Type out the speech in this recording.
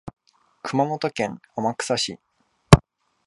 熊本県天草市